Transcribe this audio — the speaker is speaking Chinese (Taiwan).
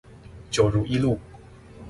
九如一路